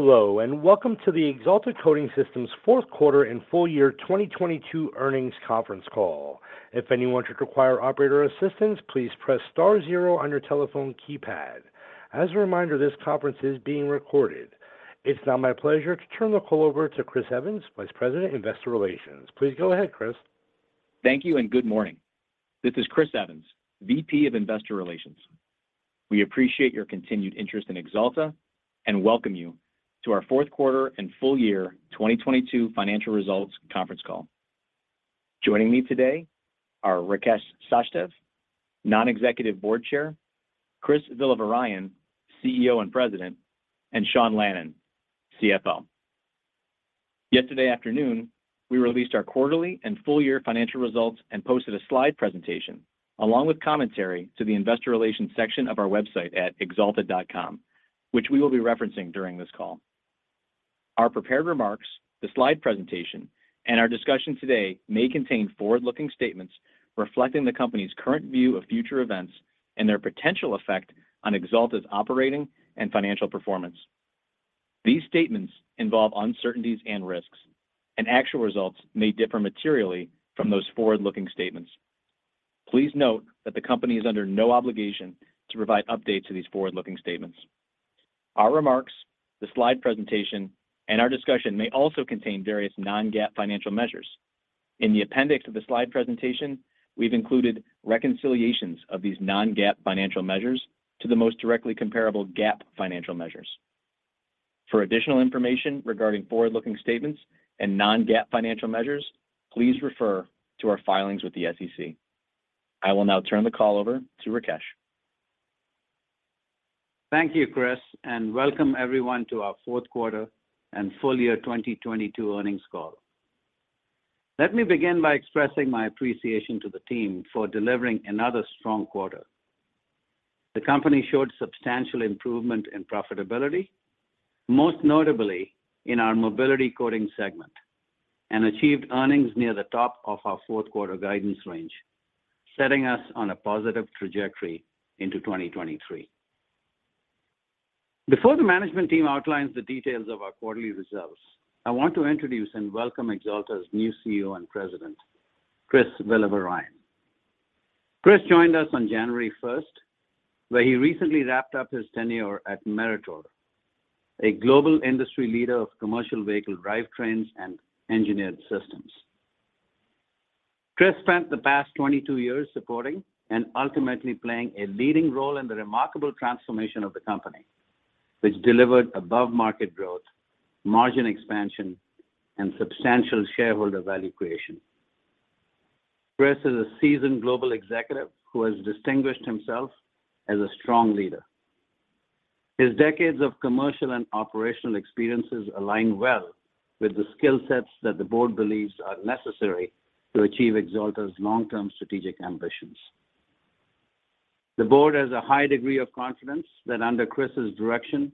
Hello, welcome to the Axalta Coating Systems fourth quarter and full year 2022 earnings conference call. If anyone should require operator assistance, please press star zero on your telephone keypad. As a reminder, this conference is being recorded. It's now my pleasure to turn the call over to Christopher Evans, Vice President, Investor Relations. Please go ahead, Chris. Thank you and good morning. This is Chris Evans, VP of Investor Relations. We appreciate your continued interest inAxalta and welcome you to our fourth quarter and full year 2022 financial results conference call. Joining me today are Rakesh Sachdev, Non-Executive Board Chair, Chris Villavarayan, CEO and President, and Sean Lannon, CFO. Yesterday afternoon, we released our quarterly and full year financial results and posted a slide presentation along with commentary to the investor relations section of our website at axalta.com, which we will be referencing during this call. Our prepared remarks, the slide presentation, and our discussion today may contain forward-looking statements reflecting the company's current view of future events and their potential effect on Axalta's operating and financial performance. These statements involve uncertainties and risks, and actual results may differ materially from those forward-looking statements. Please note that the company is under no obligation to provide updates to these forward-looking statements. Our remarks, the slide presentation, and our discussion may also contain various non-GAAP financial measures. In the appendix of the slide presentation, we've included reconciliations of these non-GAAP financial measures to the most directly comparable GAAP financial measures. For additional information regarding forward-looking statements and non-GAAP financial measures, please refer to our filings with the SEC. I will now turn the call over to Rakesh. Thank you, Chris, and welcome everyone to our fourth quarter and full year 2022 earnings call. Let me begin by expressing my appreciation to the team for delivering another strong quarter. The company showed substantial improvement in profitability, most notably in our Mobility Coatings segment, and achieved earnings near the top of our fourth quarter guidance range, setting us on a positive trajectory into 2023. Before the management team outlines the details of our quarterly results, I want to introduce and welcome Axalta's new CEO and President, Chris Villavarayan. Chris joined us on January 1st, where he recently wrapped up his tenure at Meritor, a global industry leader of commercial vehicle drivetrains and engineered systems. Chris spent the past 22 years supporting and ultimately playing a leading role in the remarkable transformation of the company, which delivered above-market growth, margin expansion, and substantial shareholder value creation. Chris is a seasoned global executive who has distinguished himself as a strong leader. His decades of commercial and operational experiences align well with the skill sets that the board believes are necessary to achieve Axalta's long-term strategic ambitions. The board has a high degree of confidence that under Chris's direction,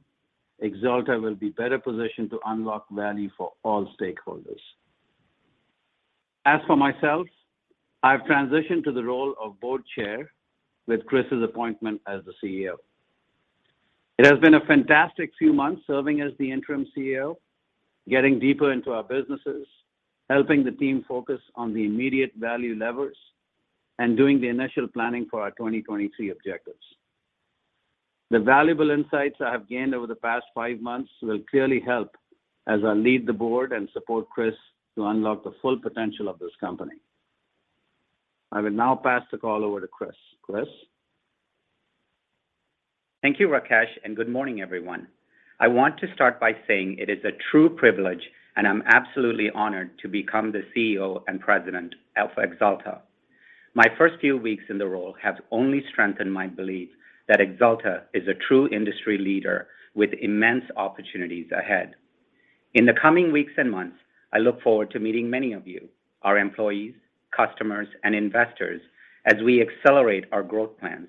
Axalta will be better positioned to unlock value for all stakeholders. As for myself, I've transitioned to the role of board chair with Chris's appointment as the CEO. It has been a fantastic few months serving as the interim CEO, getting deeper into our businesses, helping the team focus on the immediate value levers, and doing the initial planning for our 2023 objectives. The valuable insights I have gained over the past five months will clearly help as I lead the board and support Chris to unlock the full potential of this company. I will now pass the call over to Chris. Chris? Thank you, Rakesh, and good morning, everyone. I want to start by saying it is a true privilege, and I'm absolutely honored to become the CEO and President of Axalta. My first few weeks in the role have only strengthened my belief that Axalta is a true industry leader with immense opportunities ahead. In the coming weeks and months, I look forward to meeting many of you, our employees, customers, and investors as we accelerate our growth plans.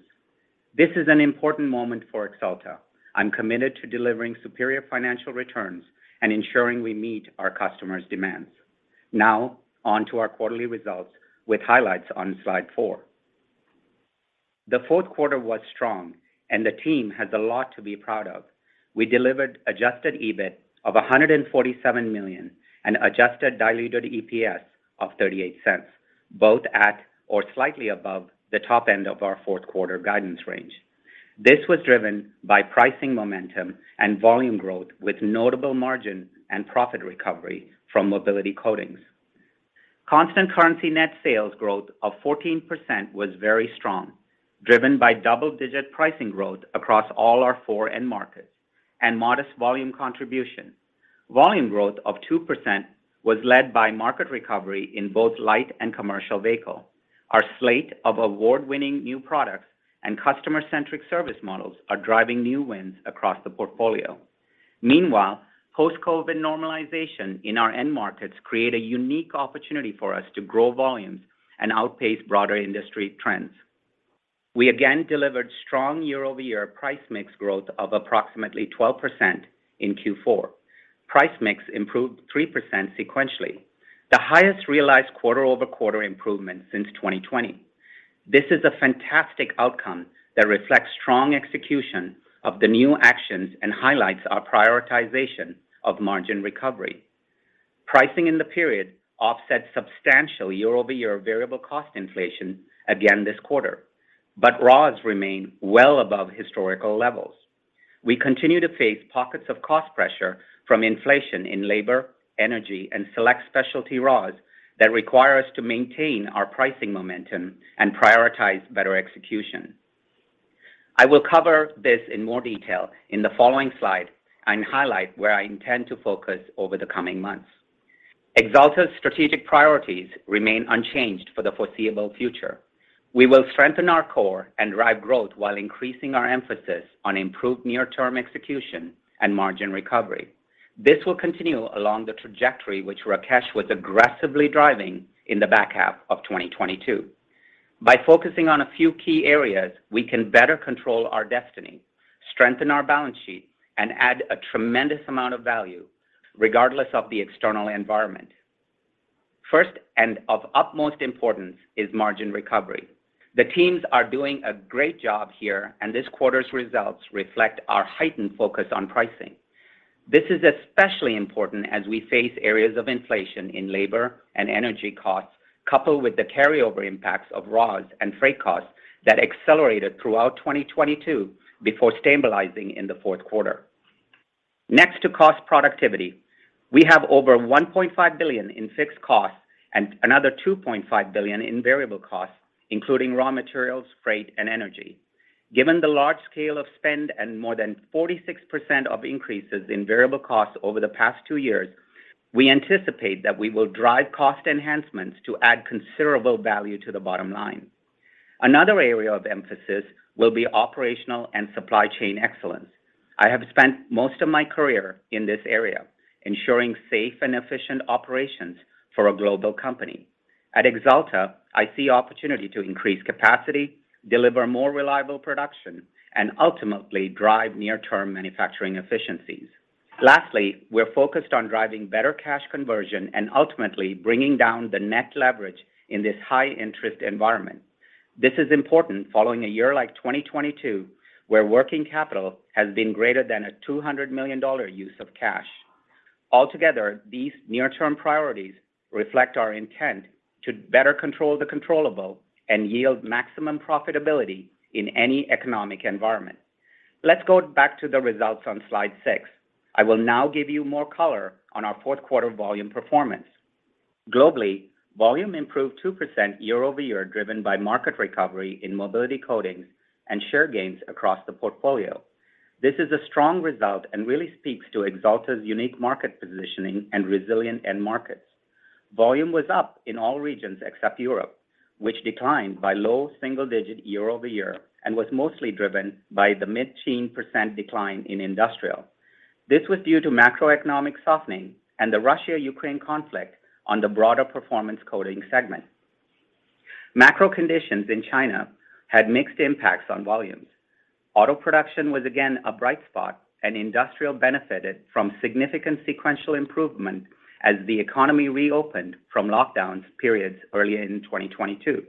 This is an important moment for Axalta. I'm committed to delivering superior financial returns and ensuring we meet our customers' demands. Now on to our quarterly results with highlights on slide four. The fourth quarter was strong and the team has a lot to be proud of. We delivered Adjusted EBIT of $147 million and Adjusted Diluted EPS of $0.38, both at or slightly above the top end of our fourth quarter guidance range. This was driven by pricing momentum and volume growth with notable margin and profit recovery from Mobility Coatings. Constant currency net sales growth of 14% was very strong, driven by double-digit pricing growth across all our four end markets and modest volume contribution. Volume growth of 2% was led by market recovery in both light and commercial vehicle. Our slate of award-winning new products and customer-centric service models are driving new wins across the portfolio. Meanwhile, post-COVID normalization in our end markets create a unique opportunity for us to grow volumes and outpace broader industry trends. We again delivered strong year-over-year price/mix growth of approximately 12% in Q4. Price/mix improved 3% sequentially, the highest realized quarter-over-quarter improvement since 2020. This is a fantastic outcome that reflects strong execution of the new actions and highlights our prioritization of margin recovery. Pricing in the period offset substantial year-over-year variable cost inflation again this quarter. Raws remain well above historical levels. We continue to face pockets of cost pressure from inflation in labor, energy, and select specialty raws that require us to maintain our pricing momentum and prioritize better execution. I will cover this in more detail in the following slide and highlight where I intend to focus over the coming months. Axalta's strategic priorities remain unchanged for the foreseeable future. We will strengthen our core and drive growth while increasing our emphasis on improved near-term execution and margin recovery. This will continue along the trajectory which Rakesh was aggressively driving in the back half of 2022. By focusing on a few key areas, we can better control our destiny, strengthen our balance sheet, and add a tremendous amount of value regardless of the external environment. First, of utmost importance is margin recovery. The teams are doing a great job here, and this quarter's results reflect our heightened focus on pricing. This is especially important as we face areas of inflation in labor and energy costs, coupled with the carryover impacts of raws and freight costs that accelerated throughout 2022 before stabilizing in the fourth quarter. Next to cost productivity, we have over $1.5 billion in fixed costs and another $2.5 billion in variable costs, including raw materials, freight, and energy. Given the large scale of spend and more than 46% of increases in variable costs over the past two years, we anticipate that we will drive cost enhancements to add considerable value to the bottom line. Another area of emphasis will be operational and supply chain excellence. I have spent most of my career in this area, ensuring safe and efficient operations for a global company. At Axalta, I see opportunity to increase capacity, deliver more reliable production, and ultimately drive near-term manufacturing efficiencies. Lastly, we're focused on driving better cash conversion and ultimately bringing down the net leverage in this high interest environment. This is important following a year like 2022, where working capital has been greater than a $200 million use of cash. Altogether, these near-term priorities reflect our intent to better control the controllable and yield maximum profitability in any economic environment. Let's go back to the results on slide six. I will now give you more color on our fourth quarter volume performance. Globally, volume improved 2% year-over-year, driven by market recovery in Mobility Coatings and share gains across the portfolio. This is a strong result and really speaks to Axalta's unique market positioning and resilient end markets. Volume was up in all regions except Europe, which declined by low single digit year-over-year and was mostly driven by the mid-teen % decline in Industrial. This was due to macroeconomic softening and the Russia-Ukraine conflict on the broader Performance Coatings segment. Macro conditions in China had mixed impacts on volumes. Auto production was again a bright spot, and Industrial benefited from significant sequential improvement as the economy reopened from lockdowns periods earlier in 2022.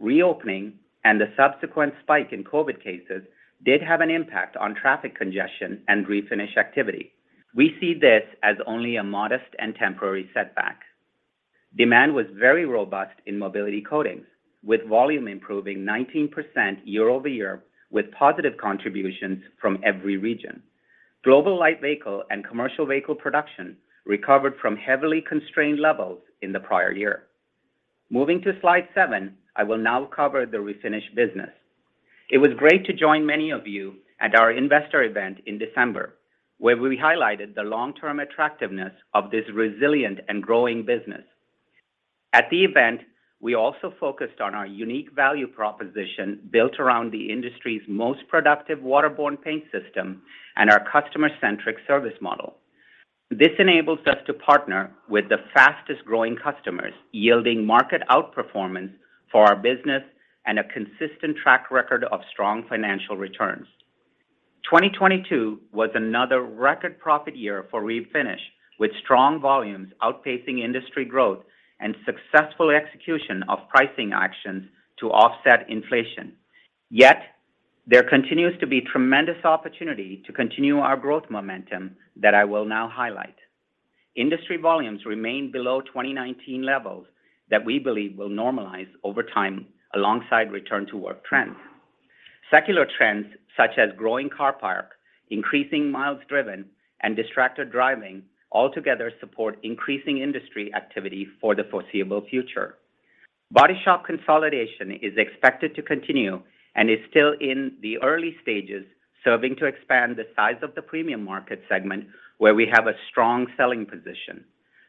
Reopening and the subsequent spike in COVID cases did have an impact on traffic congestion and Refinish activity. We see this as only a modest and temporary setback. Demand was very robust in Mobility Coatings, with volume improving 19% year-over-year with positive contributions from every region. Global light vehicle and commercial vehicle production recovered from heavily constrained levels in the prior year. Moving to slide seven, I will now cover the Refinish business. It was great to join many of you at our investor event in December, where we highlighted the long-term attractiveness of this resilient and growing business. At the event, we also focused on our unique value proposition built around the industry's most productive waterborne paint system and our customer-centric service model. This enables us to partner with the fastest-growing customers, yielding market outperformance for our business and a consistent track record of strong financial returns. 2022 was another record profit year for Refinish, with strong volumes outpacing industry growth and successful execution of pricing actions to offset inflation. There continues to be tremendous opportunity to continue our growth momentum that I will now highlight. Industry volumes remain below 2019 levels that we believe will normalize over time alongside return to work trends. Secular trends such as growing car park, increasing miles driven, and distracted driving altogether support increasing industry activity for the foreseeable future. Body shop consolidation is expected to continue and is still in the early stages, serving to expand the size of the premium market segment where we have a strong selling position.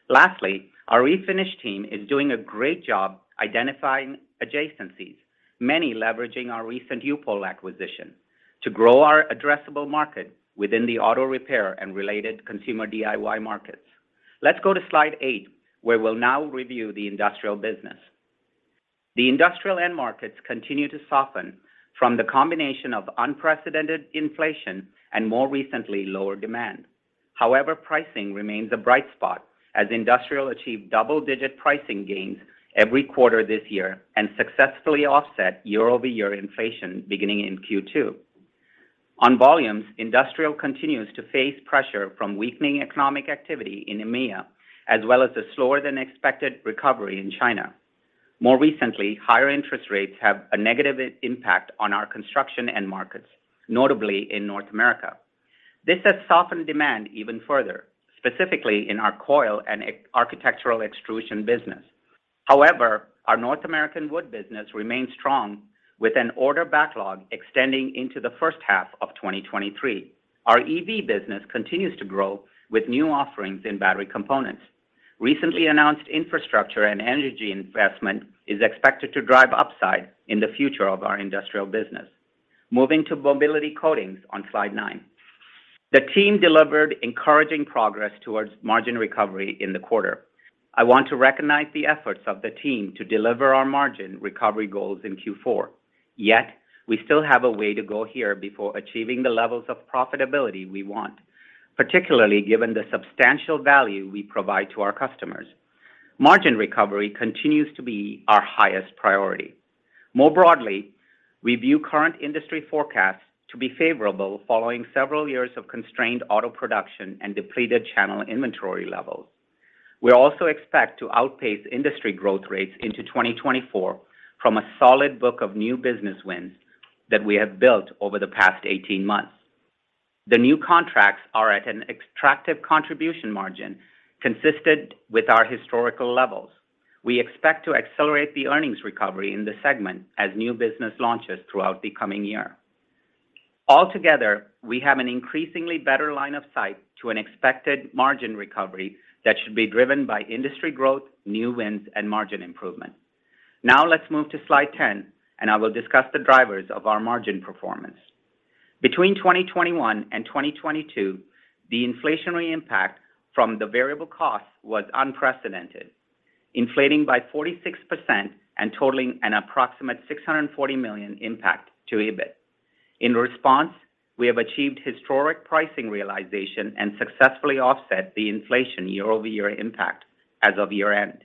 Lastly, our Refinish team is doing a great job identifying adjacencies, many leveraging our recent U-POL acquisition to grow our addressable market within the auto repair and related consumer DIY markets. Let's go to slide eight, where we'll now review the Industrial business. The Industrial end markets continue to soften from the combination of unprecedented inflation and more recently, lower demand. However, pricing remains a bright spot as Industrial achieved double-digit pricing gains every quarter this year and successfully offset year-over-year inflation beginning in Q2. On volumes, Industrial continues to face pressure from weakening economic activity in EMEA, as well as a slower than expected recovery in China. More recently, higher interest rates have a negative impact on our construction end markets, notably in North America. This has softened demand even further, specifically in our coil and architectural extrusion business. Our North American wood business remains strong with an order backlog extending into the first half of 2023. Our EV business continues to grow with new offerings in battery components. Recently announced infrastructure and energy investment is expected to drive upside in the future of our Industrial business. Moving to Mobility Coatings on slide nine. The team delivered encouraging progress towards margin recovery in the quarter. I want to recognize the efforts of the team to deliver our margin recovery goals in Q4. We still have a way to go here before achieving the levels of profitability we want, particularly given the substantial value we provide to our customers. Margin recovery continues to be our highest priority. We view current industry forecasts to be favorable following several years of constrained auto production and depleted channel inventory levels. We also expect to outpace industry growth rates into 2024 from a solid book of new business wins that we have built over the past 18 months. The new contracts are at an extractive contribution margin consistent with our historical levels. We expect to accelerate the earnings recovery in the segment as new business launches throughout the coming year. Altogether, we have an increasingly better line of sight to an expected margin recovery that should be driven by industry growth, new wins, and margin improvement. Let's move to slide 10, and I will discuss the drivers of our margin performance. Between 2021 and 2022, the inflationary impact from the variable costs was unprecedented, inflating by 46% and totaling an approximate $640 million impact to EBIT. In response, we have achieved historic pricing realization and successfully offset the inflation year-over-year impact as of year-end.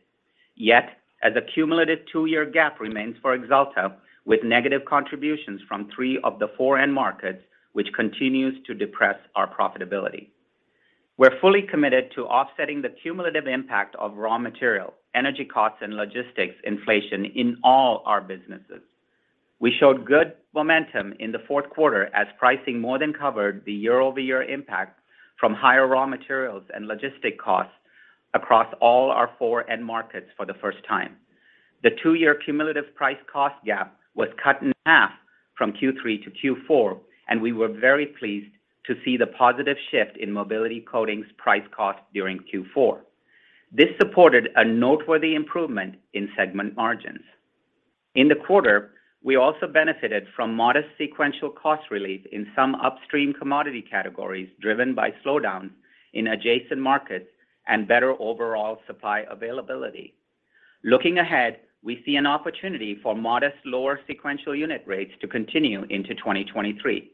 As a cumulative two-year gap remains for Axalta with negative contributions from three of the four end markets, which continues to depress our profitability. We're fully committed to offsetting the cumulative impact of raw material, energy costs, and logistics inflation in all our businesses. We showed good momentum in the fourth quarter as pricing more than covered the year-over-year impact from higher raw materials and logistics costs across all our four end markets for the first time. The two-year cumulative price cost gap was cut in half from Q3 to Q4. We were very pleased to see the positive shift in Mobility Coatings price cost during Q4. This supported a noteworthy improvement in segment margins. In the quarter, we also benefited from modest sequential cost relief in some upstream commodity categories driven by slowdowns in adjacent markets and better overall supply availability. Looking ahead, we see an opportunity for modest lower sequential unit rates to continue into 2023.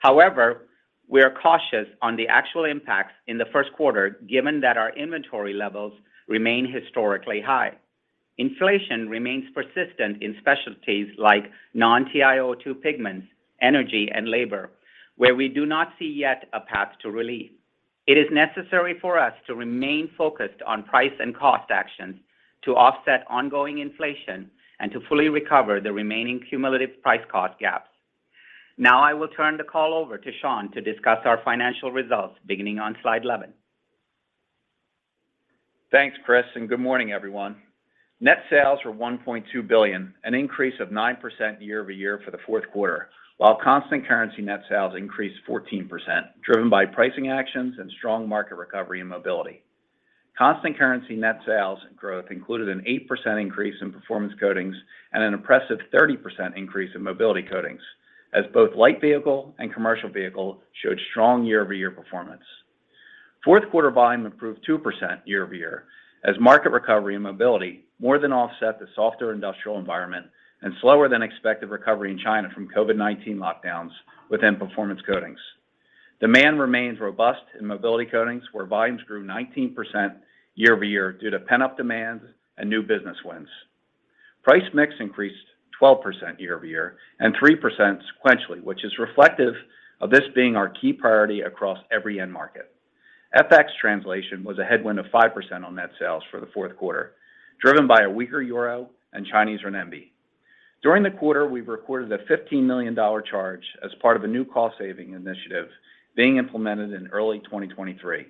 However, we are cautious on the actual impacts in the first quarter given that our inventory levels remain historically high. Inflation remains persistent in specialties like non-TiO2 pigments, energy, and labor, where we do not see yet a path to relief. It is necessary for us to remain focused on price and cost actions to offset ongoing inflation and to fully recover the remaining cumulative price cost gaps. Now I will turn the call over to Sean to discuss our financial results beginning on slide 11. Thanks, Chris, and good morning, everyone. Net sales were $1.2 billion, an increase of 9% year-over-year for the fourth quarter, while constant currency net sales increased 14%, driven by pricing actions and strong market recovery in Mobility. Constant currency net sales growth included an 8% increase in Performance Coatings and an impressive 30% increase in Mobility Coatings, as both light vehicle and commercial vehicle showed strong year-over-year performance. Fourth quarter volume improved 2% year-over-year as market recovery in Mobility more than offset the softer industrial environment and slower than expected recovery in China from COVID-19 lockdowns within Performance Coatings. Demand remains robust in Mobility Coatings, where volumes grew 19% year-over-year due to pent-up demands and new business wins. Price/mix increased 12% year-over-year and 3% sequentially, which is reflective of this being our key priority across every end market. FX translation was a headwind of 5% on net sales for the fourth quarter, driven by a weaker euro and Chinese renminbi. During the quarter, we recorded a $15 million charge as part of a new cost-saving initiative being implemented in early 2023.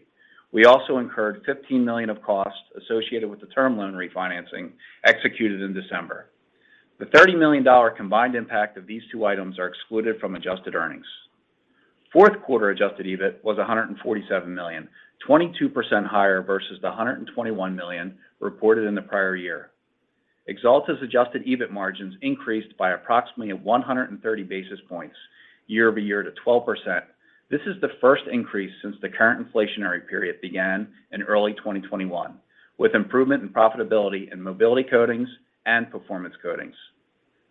We also incurred $15 million of costs associated with the term loan refinancing executed in December. The $30 million combined impact of these two items are excluded from adjusted earnings. Fourth quarter Adjusted EBIT was $147 million, 22% higher versus the $121 million reported in the prior year. Axalta's Adjusted EBIT margins increased by approximately 130 basis points year-over-year to 12%. This is the first increase since the current inflationary period began in early 2021, with improvement in profitability in Mobility Coatings and Performance Coatings.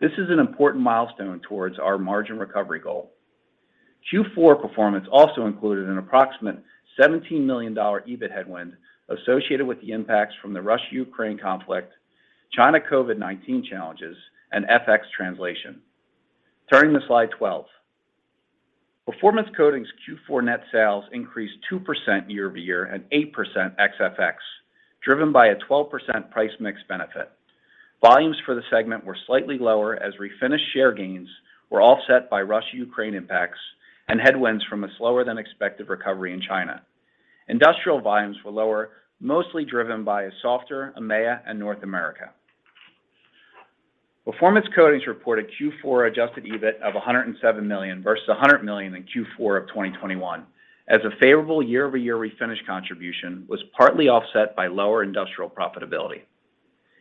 This is an important milestone towards our margin recovery goal. Q4 performance also included an approximate $17 million EBIT headwind associated with the impacts from the Russia-Ukraine conflict, China COVID-19 challenges, and FX translation. Turning to slide 12. Performance Coatings Q4 net sales increased 2% year-over-year and 8% ex FX, driven by a 12% price mix benefit. Volumes for the segment were slightly lower as Refinish share gains were offset by Russia-Ukraine impacts and headwinds from a slower than expected recovery in China. Industrial volumes were lower, mostly driven by a softer EMEA and North America. Performance Coatings reported Q4 Adjusted EBIT of $107 million versus $100 million in Q4 of 2021 as a favorable year-over-year Refinish contribution was partly offset by lower Industrial profitability.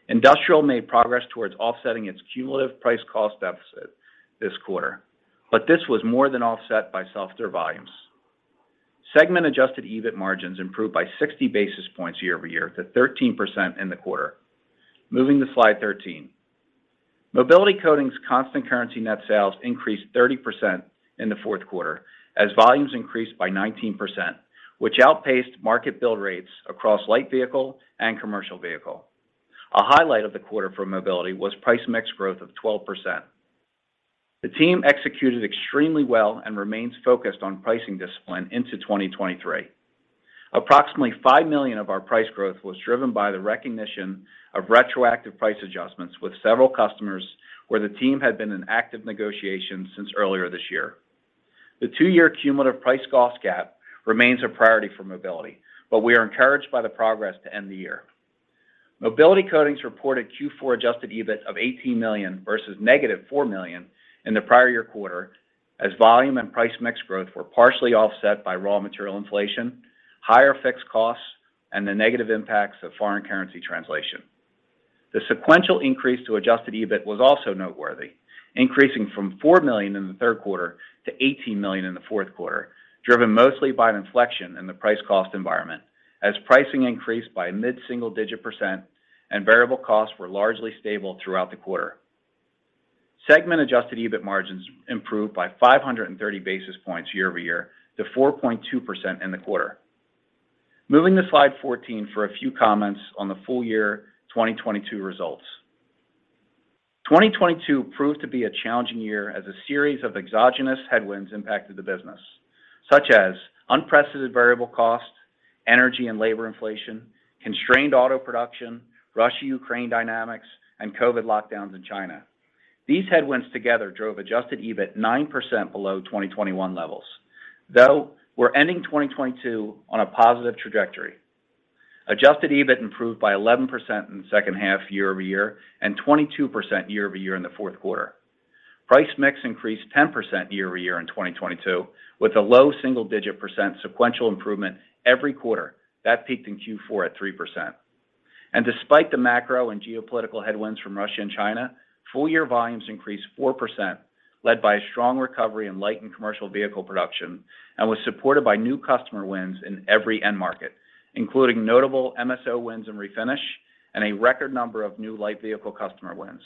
Industrial made progress towards offsetting its cumulative price cost deficit this quarter, this was more than offset by softer volumes. Segment Adjusted EBIT margins improved by 60 basis points year-over-year to 13% in the quarter. Moving to slide 13. Mobility Coatings constant currency net sales increased 30% in the fourth quarter as volumes increased by 19%, which outpaced market build rates across light vehicle and commercial vehicle. A highlight of the quarter for Mobility was price/mix growth of 12%. The team executed extremely well and remains focused on pricing discipline into 2023. Approximately $5 million of our price growth was driven by the recognition of retroactive price adjustments with several customers where the team had been in active negotiations since earlier this year. The two-year cumulative price cost gap remains a priority for Mobility, We are encouraged by the progress to end the year. Mobility Coatings reported Q4 Adjusted EBIT of $18 million versus -$4 million in the prior year quarter as volume and price/mix growth were partially offset by raw material inflation, higher fixed costs, and the negative impacts of foreign currency translation. The sequential increase to Adjusted EBIT was also noteworthy, increasing from $4 million in the third quarter to $18 million in the fourth quarter, driven mostly by an inflection in the price cost environment as pricing increased by mid-single digit % and variable costs were largely stable throughout the quarter. Segment Adjusted EBIT margins improved by 530 basis points year-over-year to 4.2% in the quarter. Moving to slide 14 for a few comments on the full year 2022 results. 2022 proved to be a challenging year as a series of exogenous headwinds impacted the business, such as unprecedented variable costs, energy and labor inflation, constrained auto production, Russia-Ukraine dynamics, and COVID lockdowns in China. These headwinds together drove Adjusted EBIT 9% below 2021 levels, though we're ending 2022 on a positive trajectory. Adjusted EBIT improved by 11% in the second half year-over-year and 22% year-over-year in the fourth quarter. Price/mix increased 10% year-over-year in 2022 with a low single-digit percent sequential improvement every quarter that peaked in Q4 at 3%. Despite the macro and geopolitical headwinds from Russia and China, full year volumes increased 4%, led by a strong recovery in light and commercial vehicle production and was supported by new customer wins in every end market, including notable MSO wins and Refinish and a record number of new light vehicle customer wins.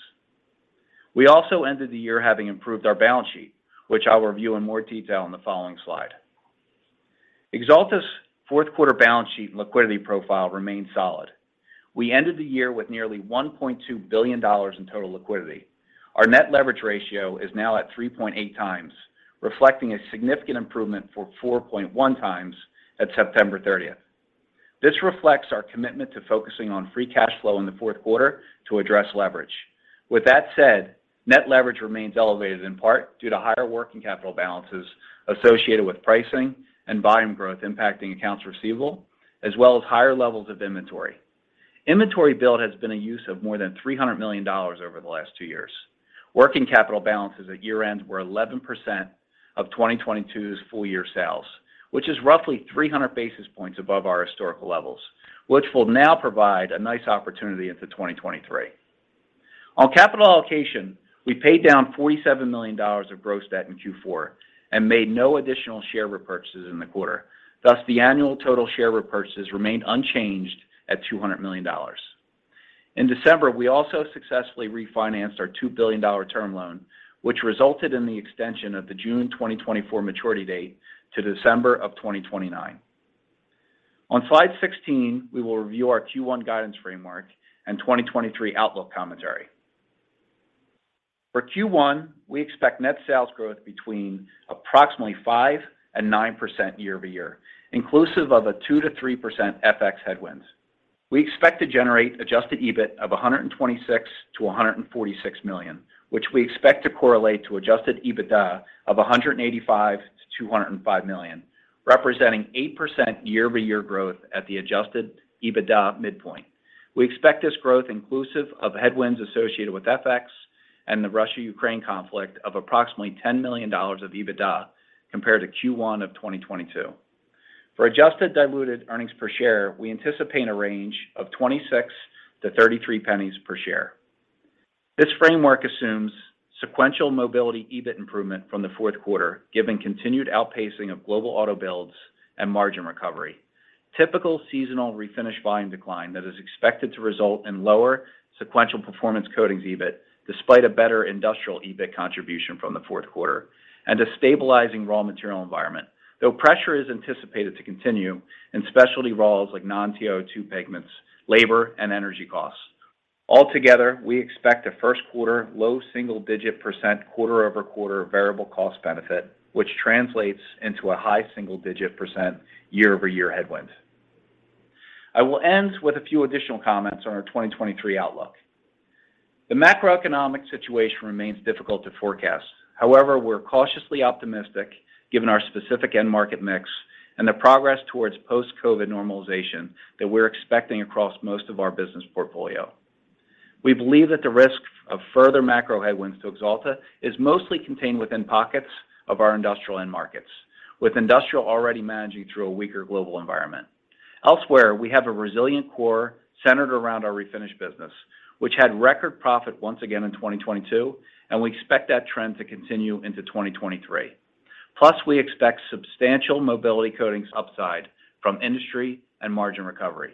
We also ended the year having improved our balance sheet, which I'll review in more detail in the following slide. Axalta's fourth quarter balance sheet and liquidity profile remain solid. We ended the year with nearly $1.2 billion in total liquidity. Our net leverage ratio is now at 3.8x, reflecting a significant improvement for 4.1x at September 30th. This reflects our commitment to focusing on free cash flow in the fourth quarter to address leverage. With that said, net leverage remains elevated in part due to higher working capital balances associated with pricing and volume growth impacting accounts receivable as well as higher levels of inventory. Inventory build has been a use of more than $300 million over the last two years. Working capital balances at year-end were 11% of 2022's full year sales, which is roughly 300 basis points above our historical levels, which will now provide a nice opportunity into 2023. On capital allocation, we paid down $47 million of gross debt in Q4 and made no additional share repurchases in the quarter. Thus, the annual total share repurchases remained unchanged at $200 million. In December, we also successfully refinanced our $2 billion term loan, which resulted in the extension of the June 2024 maturity date to December 2029. On slide 16, we will review our Q1 guidance framework and 2023 outlook commentary. For Q1, we expect net sales growth between approximately 5% and 9% year-over-year, inclusive of a 2%-3% FX headwinds. We expect to generate Adjusted EBIT of $126 million-$146 million, which we expect to correlate to Adjusted EBITDA of $185 million-$205 million, representing 8% year-over-year growth at the Adjusted EBITDA midpoint. We expect this growth inclusive of headwinds associated with FX and the Russia-Ukraine conflict of approximately $10 million of EBITDA compared to Q1 of 2022. For Adjusted Diluted Earnings Pre Share, we anticipate a range of $0.26-$0.33 per share. This framework assumes sequential Mobility Coatings EBIT improvement from the fourth quarter, given continued outpacing of global auto builds and margin recovery. Typical seasonal Refinish volume decline that is expected to result in lower sequential Performance Coatings EBIT despite a better Industrial EBIT contribution from the fourth quarter and a stabilizing raw material environment. Though pressure is anticipated to continue in specialty raws like non-TiO2 pigments, labor, and energy costs. Altogether, we expect a first quarter low single-digit % quarter-over-quarter variable cost benefit, which translates into a high single-digit % year-over-year headwind. I will end with a few additional comments on our 2023 outlook. The macroeconomic situation remains difficult to forecast. However, we're cautiously optimistic given our specific end market mix and the progress towards post-COVID normalization that we're expecting across most of our business portfolio. We believe that the risk of further macro headwinds to Axalta is mostly contained within pockets of our industrial end markets, with industrial already managing through a weaker global environment. Elsewhere, we have a resilient core centered around our Refinish business, which had record profit once again in 2022. We expect that trend to continue into 2023. Plus, we expect substantial Mobility Coatings upside from industry and margin recovery.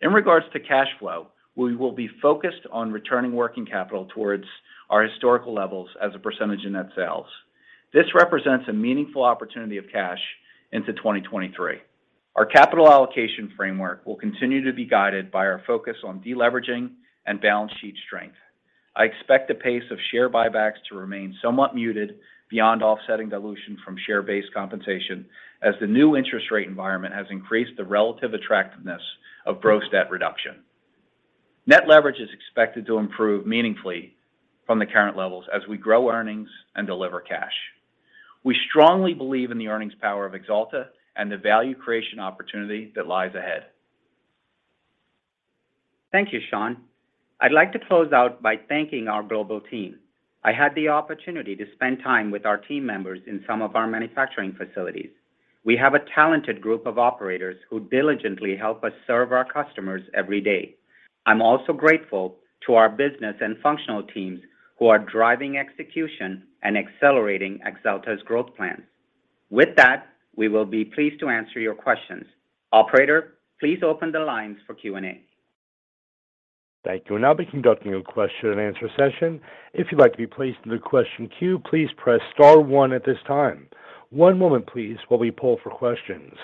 In regards to cash flow, we will be focused on returning working capital towards our historical levels as a percentage in net sales. This represents a meaningful opportunity of cash into 2023. Our capital allocation framework will continue to be guided by our focus on de-leveraging and balance sheet strength. I expect the pace of share buybacks to remain somewhat muted beyond offsetting dilution from share-based compensation as the new interest rate environment has increased the relative attractiveness of gross debt reduction. Net leverage is expected to improve meaningfully from the current levels as we grow earnings and deliver cash. We strongly believe in the earnings power of Axalta and the value creation opportunity that lies ahead. Thank you, Sean. I'd like to close out by thanking our global team. I had the opportunity to spend time with our team members in some of our manufacturing facilities. We have a talented group of operators who diligently help us serve our customers every day. I'm also grateful to our business and functional teams who are driving execution and accelerating Axalta's growth plans. With that, we will be pleased to answer your questions. Operator, please open the lines for Q&A. Thank you. We'll now be conducting a question and answer session. If you'd like to be placed in the question queue, please press star one at this time. One moment, please, while we poll for questions.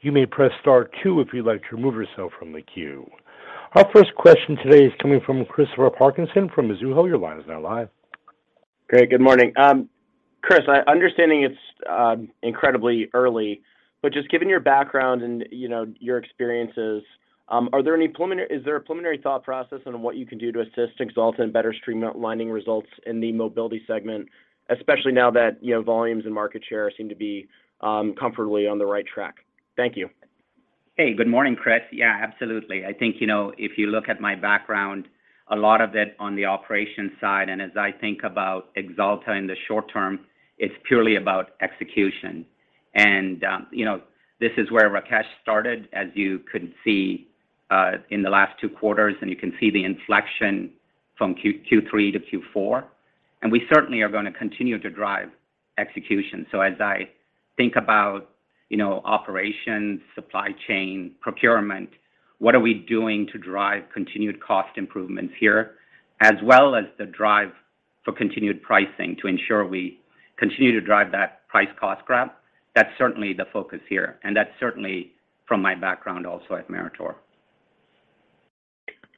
You may press star two if you'd like to remove yourself from the queue. Our first question today is coming from Christopher Parkinson from Mizuho. Your line is now live. Great. Good morning. Chris, understanding it's incredibly early, but just given your background and, you know, your experiences, is there a preliminary thought process on what you can do to assist Axalta in better streamlining results in the Mobility segment, especially now that, you know, volumes and market share seem to be comfortably on the right track? Thank you. Hey, good morning, Chris. Yeah, absolutely. I think, you know, if you look at my background, a lot of it on the operations side, as I think about Axalta in the short term, it's purely about execution. You know, this is where Rakesh started, as you could see, in the last two quarters, and you can see the inflection from Q3 to Q4. We certainly are gonna continue to drive execution. As I think about, you know, operations, supply chain, procurement, what are we doing to drive continued cost improvements here, as well as the drive for continued pricing to ensure we continue to drive that price cost grab. That's certainly the focus here, and that's certainly from my background also at Meritor.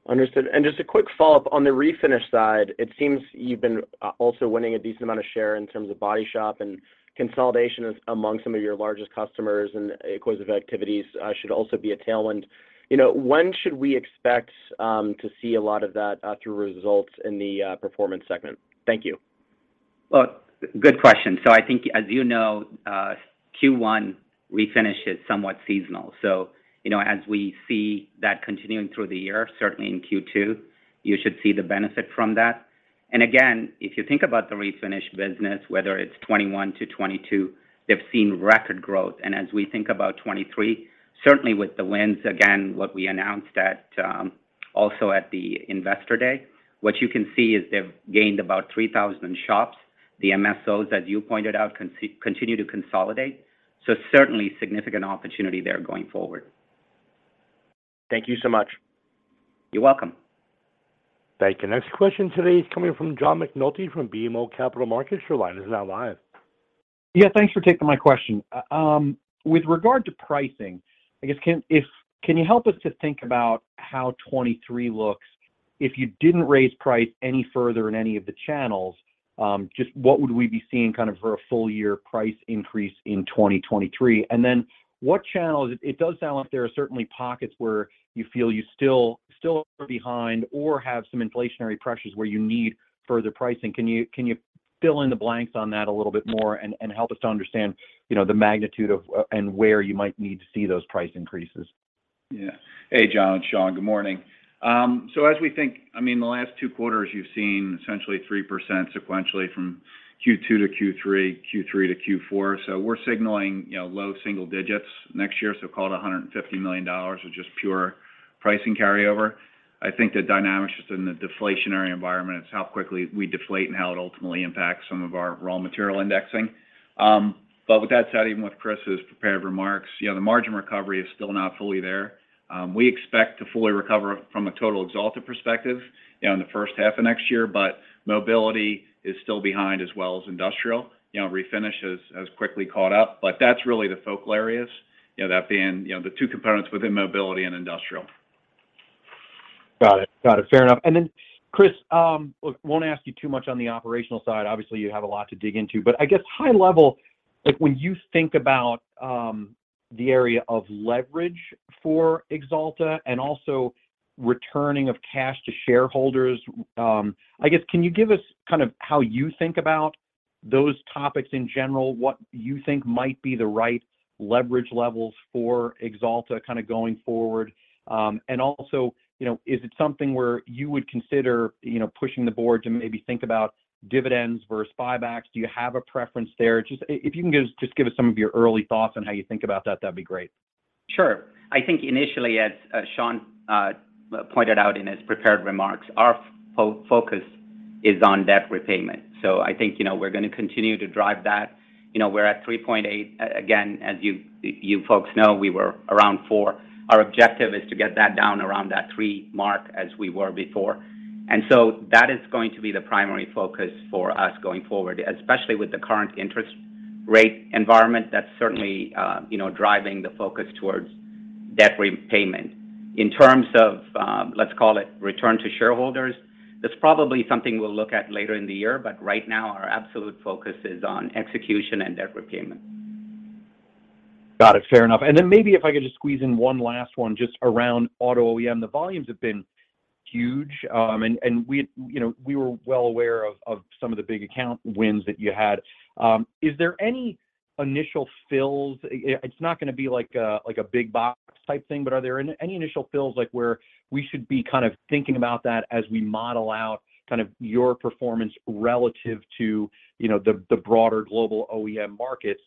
Understood. Just a quick follow-up on the Refinish side, it seems you've been also winning a decent amount of share in terms of body shop and consolidation among some of your largest customers, and acquisition activities should also be a tailwind. You know, when should we expect to see a lot of that through results in the Performance segment? Thank you. Well, good question. I think as you know, Q1 Refinish is somewhat seasonal. You know, as we see that continuing through the year, certainly in Q2, you should see the benefit from that. Again, if you think about the Refinish business, whether it's 2021-2022, they've seen record growth. As we think about 2023, certainly with the wins, again, what we announced at, also at the Investor Day, what you can see is they've gained about 3,000 in shops. The MSOs, as you pointed out, continue to consolidate. Certainly significant opportunity there going forward. Thank you so much. You're welcome. Thank you. Next question today is coming from John McNulty from BMO Capital Markets. Your line is now live. Yeah, thanks for taking my question. With regard to pricing, I guess, Can you help us to think about how 2023 looks if you didn't raise price any further in any of the channels, just what would we be seeing kind of for a full year price increase in 2023? What channels? It does sound like there are certainly pockets where you feel you still are behind or have some inflationary pressures where you need further pricing. Can you fill in the blanks on that a little bit more and help us to understand, you know, the magnitude of and where you might need to see those price increases? Yeah. Hey, John it's Sean. Good morning. I mean, the last two quarters, you've seen essentially 3% sequentially from Q2 to Q3 to Q4. We're signaling, you know, low single digits next year, call it $150 million of just pure Pricing carryover. I think the dynamics just in the deflationary environment is how quickly we deflate and how it ultimately impacts some of our raw material indexing. With that said, even with Chris's prepared remarks, you know, the margin recovery is still not fully there. We expect to fully recover from a total Axalta perspective, you know, in the first half of next year, but Mobility is still behind, as well as Industrial. You know, Refinish has quickly caught up, but that's really the focal areas, you know, that being, you know, the two components within Mobility and Industrial. Got it. Got it. Fair enough. Chris, look, won't ask you too much on the operational side, obviously you have a lot to dig into, but I guess high level, like when you think about, the area of leverage for Axalta and also returning of cash to shareholders, I guess, can you give us kind of how you think about those topics in general? What you think might be the right leverage levels for Axalta kind of going forward? Also, you know, is it something where you would consider, you know, pushing the board to maybe think about dividends versus buybacks? Do you have a preference there? Just if you can give us some of your early thoughts on how you think about that'd be great. Sure. I think initially, as Sean pointed out in his prepared remarks, our focus is on debt repayment. I think, you know, we're gonna continue to drive that. You know, we're at 3.8x. Again, as you folks know, we were around 4x. Our objective is to get that down around that 3x mark as we were before. That is going to be the primary focus for us going forward, especially with the current interest rate environment, that's certainly, you know, driving the focus towards debt repayment. In terms of, let's call it return to shareholders, that's probably something we'll look at later in the year, but right now our absolute focus is on execution and debt repayment. Got it. Fair enough. Maybe if I could just squeeze in one last one just around auto OEM. The volumes have been huge, and we, you know, we were well aware of some of the big account wins that you had. Is there any initial fills? It's not gonna be like a big box type thing, but are there any initial fills, like, where we should be kind of thinking about that as we model out kind of your performance relative to, you know, the broader global OEM markets?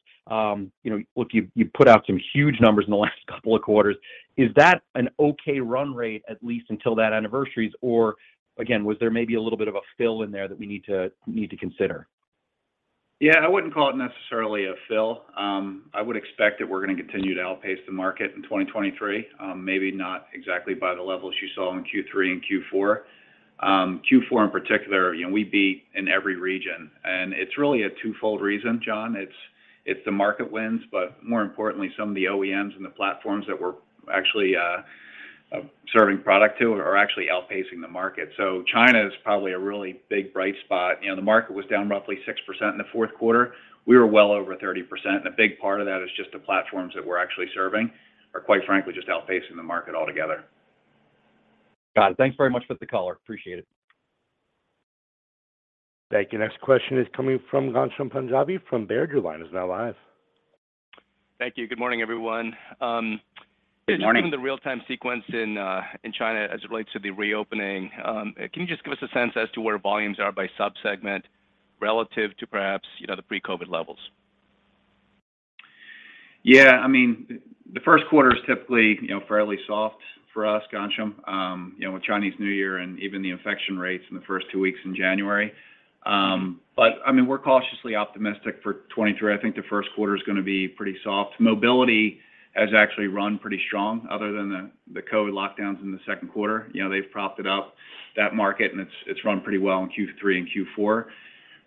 You know, look, you put out some huge numbers in the last couple of quarters. Is that an okay run rate at least until that anniversaries? Or again, was there maybe a little bit of a fill in there that we need to consider? I wouldn't call it necessarily a fill. I would expect that we're gonna continue to outpace the market in 2023, maybe not exactly by the levels you saw in Q3 and Q4. Q4 in particular, you know, we beat in every region, and it's really a twofold reason, John. It's the market wins, but more importantly, some of the OEMs and the platforms that we're actually serving product to are actually outpacing the market. China is probably a really big bright spot. You know, the market was down roughly 6% in the fourth quarter. We were well over 30%, and a big part of that is just the platforms that we're actually serving are, quite frankly, just outpacing the market altogether. Got it. Thanks very much for the color. Appreciate it. Thank you. Next question is coming from Ghansham Panjabi from Baird. Your line is now live. Thank you. Good morning, everyone. Good morning. Given the real-time sequence in in China as it relates to the reopening, can you just give us a sense as to where volumes are by sub-segment relative to perhaps, you know, the pre-COVID levels? Yeah, I mean, the first quarter is typically, you know, fairly soft for us, Ghansham, you know, with Chinese New Year and even the infection rates in the first two weeks in January. I mean, we're cautiously optimistic for 23. I think the first quarter is gonna be pretty soft. Mobility has actually run pretty strong other than the COVID lockdowns in the second quarter. You know, they've propped it up that market and it's run pretty well in Q3 and Q4.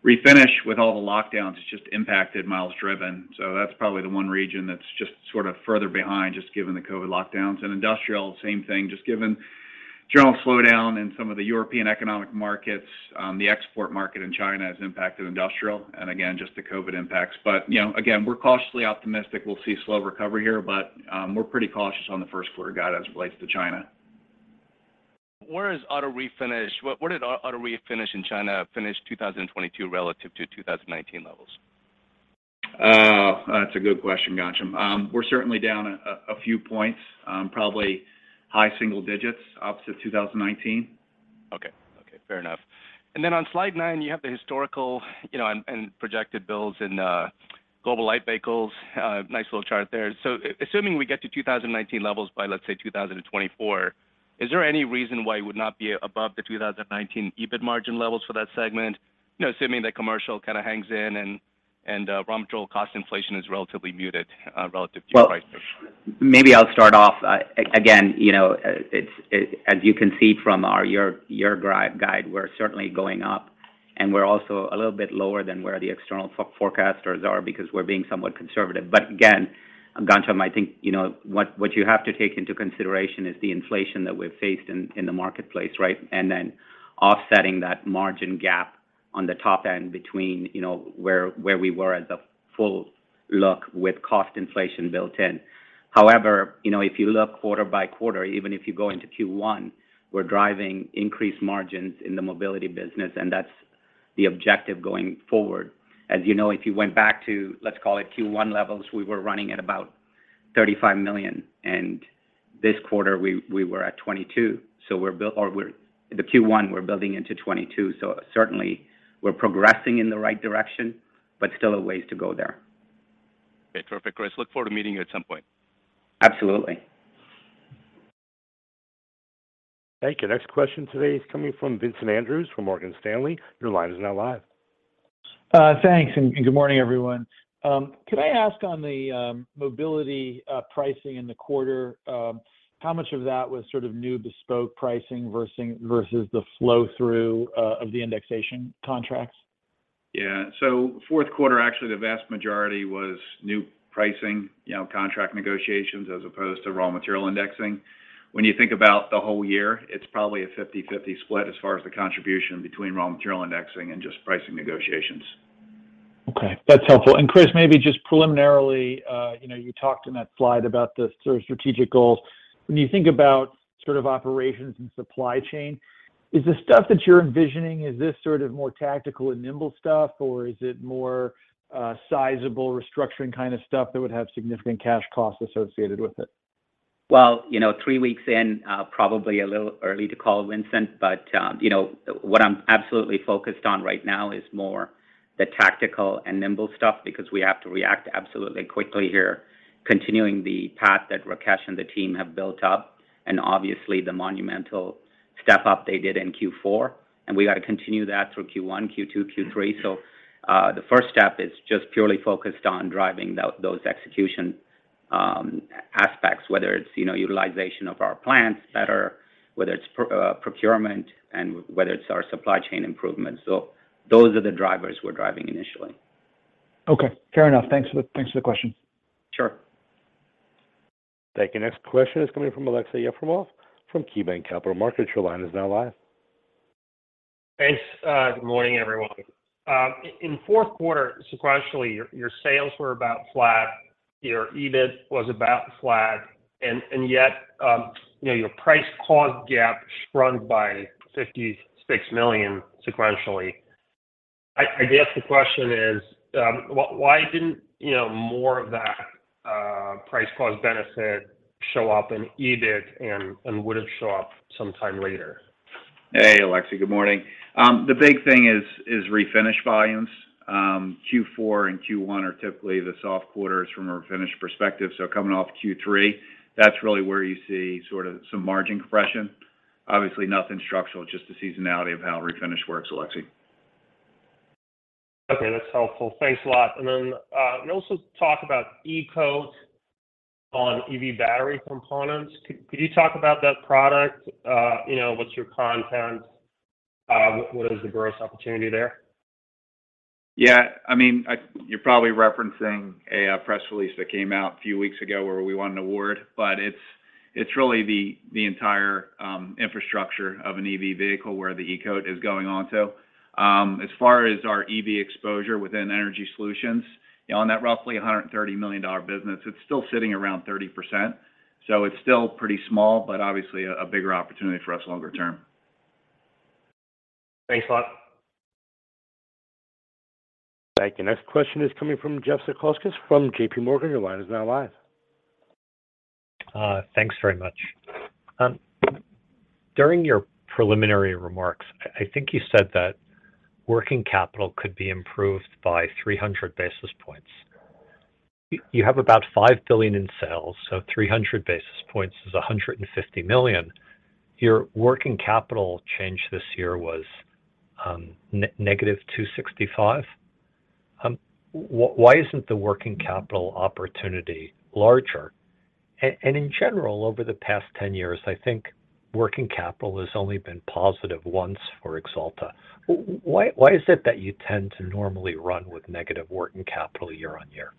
Refinish with all the lockdowns has just impacted miles driven, that's probably the one region that's just sort of further behind, just given the COVID lockdowns. Industrial, same thing, just given general slowdown in some of the European economic markets, the export market in China has impacted Industrial and again, just the COVID impacts. You know, again, we're cautiously optimistic. We'll see slow recovery here, but, we're pretty cautious on the first quarter guide as it relates to China. Where did auto Refinish in China finish 2022 relative to 2019 levels? Oh, that's a good question, Ghansham. We're certainly down a few points, probably high single digits opposite 2019. Okay. Okay. Fair enough. Then on slide nine, you have the historical, you know, and projected bills in global light vehicles. Nice little chart there. Assuming we get to 2019 levels by, let's say, 2024, is there any reason why it would not be above the 2019 EBIT margin levels for that segment? You know, assuming that commercial kind of hangs in and raw material cost inflation is relatively muted relative to prices. Well, maybe I'll start off. Again, you know, as you can see from our year-year guide, we're certainly going up, and we're also a little bit lower than where the external forecasters are because we're being somewhat conservative. Again, Ghansham, I think, you know, what you have to take into consideration is the inflation that we've faced in the marketplace, right? Offsetting that margin gap on the top end between, you know, where we were at the full look with cost inflation built in. However, you know, if you look quarter by quarter, even if you go into Q1, we're driving increased margins in the mobility business. That's the objective going forward. As you know, if you went back to, let's call it Q1 levels, we were running at about $35 million, and this quarter we were at $22 million. The Q1 we're building into $22 million, so certainly we're progressing in the right direction, but still a ways to go there. Okay, perfect, Chris. Look forward to meeting you at some point. Absolutely. Thank you. Next question today is coming from Vincent Andrews from Morgan Stanley. Your line is now live. Thanks, and good morning, everyone. Could I ask on the Mobility pricing in the quarter, how much of that was sort of new bespoke pricing versus the flow-through of the indexation contracts? Yeah. fourth quarter, actually, the vast majority was new pricing, you know, contract negotiations as opposed to raw material indexing. When you think about the whole year, it's probably a 50/50 split as far as the contribution between raw material indexing and just pricing negotiations. Okay. That's helpful. Chris, maybe just preliminarily, you know, you talked in that slide about the sort of strategic goals. When you think about sort of operations and supply chain, is the stuff that you're envisioning, is this sort of more tactical and nimble stuff, or is it more, sizable restructuring kind of stuff that would have significant cash costs associated with it? Well, you know, three weeks in, probably a little early to call, Vincent, but, you know, what I'm absolutely focused on right now is more the tactical and nimble stuff because we have to react absolutely quickly here, continuing the path that Rakesh and the team have built up, and obviously the monumental step up they did in Q4. We got to continue that through Q1, Q2, Q3. The first step is just purely focused on driving those execution aspects, whether it's, you know, utilization of our plants better, whether it's procurement, and whether it's our supply chain improvements. Those are the drivers we're driving initially. Okay. Fair enough. Thanks for the question. Sure. Thank you. Next question is coming from Aleksey Yefremov from KeyBanc Capital Markets. Your line is now live. Thanks. Good morning, everyone. In fourth quarter, sequentially, your sales were about flat, your EBIT was about flat, and yet, you know, your price cost gap sprung by $56 million sequentially. I guess the question is, why didn't, you know, more of that price cost benefit show up in EBIT and would it show up sometime later? Hey, Aleksey. Good morning. The big thing is Refinish volumes. Q4 and Q1 are typically the soft quarters from a Refinish perspective. Coming off Q3, that's really where you see sort of some margin compression. Obviously nothing structural, just the seasonality of how Refinish works, Aleksey. Okay. That's helpful. Thanks a lot. Then you also talk about E-coat on EV battery components. Could you talk about that product? You know, what's your content? What is the gross opportunity there? I mean, you're probably referencing a press release that came out a few weeks ago where we won an award. It's really the entire infrastructure of an EV vehicle where the E-coat is going onto. As far as our EV exposure within Energy Solutions, you know, on that roughly $130 million business, it's still sitting around 30%. It's still pretty small, but obviously a bigger opportunity for us longer term. Thanks a lot. Thank you. Next question is coming from Jeffrey Zekauskas from J.P. Morgan. Your line is now live. Thanks very much. During your preliminary remarks, I think you said that working capital could be improved by 300 basis points. You have about $5 billion in sales, so 300 basis points is $150 million. Your working capital change this year was negative $265. Why isn't the working capital opportunity larger? In general, over the past 10 years, I think working capital has only been positive once for Axalta. Why, why is it that you tend to normally run with negative working capital year on year?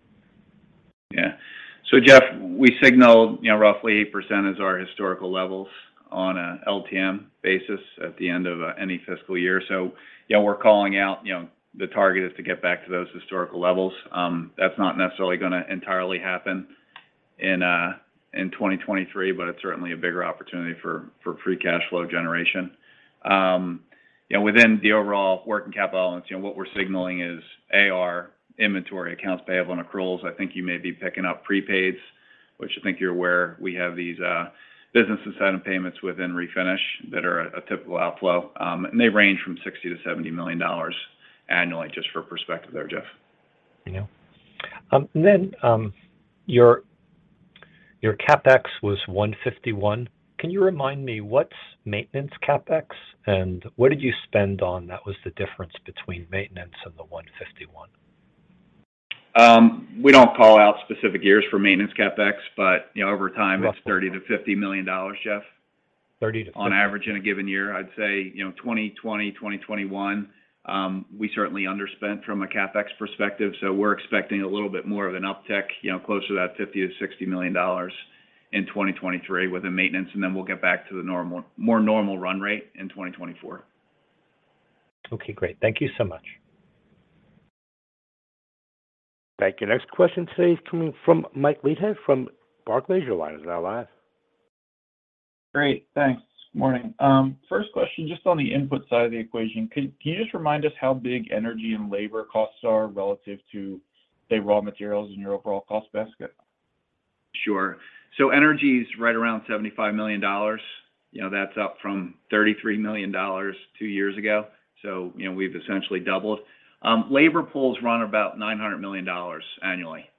Jeff, we signaled, you know, roughly 8% is our historical levels on an LTM basis at the end of any fiscal year. We're calling out, you know, the target is to get back to those historical levels. That's not necessarily gonna entirely happen in 2023, but it's certainly a bigger opportunity for free cash flow generation. You know, within the overall working capital balance, you know, what we're signaling is AR, inventory, accounts payable, and accruals. I think you may be picking up prepaids, which I think you're aware we have these business incentive payments within Refinish that are a typical outflow. And they range from $60 million-$70 million annually, just for perspective there, Jeff. Thank you. Your CapEx was $151 million. Can you remind me what's maintenance CapEx, and what did you spend on that was the difference between maintenance and the $151 million? We don't call out specific years for maintenance CapEx, but, you know, over time. Roughly It's $30 million-$50 million, Jeff. On average in a given year, I'd say, you know, 2020, 2021, we certainly underspent from a CapEx perspective. We're expecting a little bit more of an uptick, you know, closer to that $50 million-$60 million in 2023 within maintenance. We'll get back to the more normal run rate in 2024. Okay, great. Thank you so much. Thank you. Next question today is coming from Mike Leithead from Barclays. Your line is now live. Great. Thanks. Morning. First question, just on the input side of the equation, can you just remind us how big energy and labor costs are relative to, say, raw materials in your overall cost basket? Sure. energy is right around $75 million. You know, that's up from $33 million two years ago. You know, we've essentially doubled. labor pools run about $900 million annually.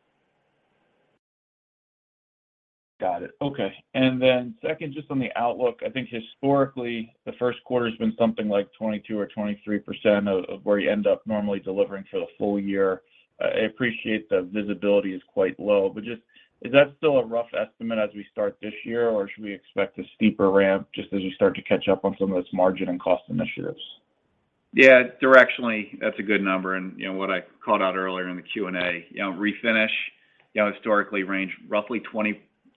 Got it. Okay. Second, just on the outlook, I think historically, the first quarter's been something like 22% or 23% of where you end up normally delivering for the full year. I appreciate the visibility is quite low, but just is that still a rough estimate as we start this year, or should we expect a steeper ramp just as you start to catch up on some of those margin and cost initiatives? Yeah. Directionally, that's a good number. You know, what I called out earlier in the